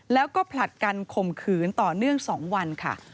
แล้วก็ผลัดกันข่มขืนต่อเนื่อง๒วันค่ะ